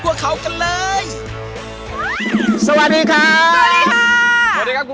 กวนกีฬา